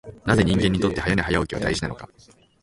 なぜ人間にとって早寝早起きは大事なのか。